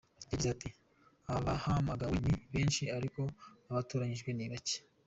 Yagize ati “Abahamagawe ni benshi ariko abatoranyijwe ni bacye.